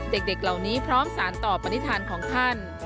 เด็กเหล่านี้พร้อมสารต่อปฏิฐานของท่าน